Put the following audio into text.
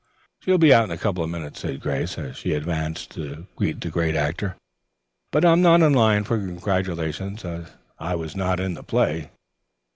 "She'll be out in a couple of minutes," said Grace, as she advanced to greet the great actor. "But I am not in line for congratulations, as I was not in the play."